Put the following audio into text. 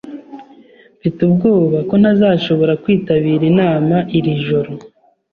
Mfite ubwoba ko ntazashobora kwitabira inama iri joro.